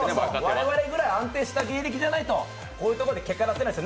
我々くらい安定した芸歴でないとこういうとこで結果出せない。